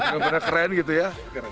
benar benar keren gitu ya